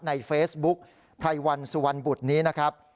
ในเฟซบุ๊คไพรวันสุวรรณบุตรนี้นะครับ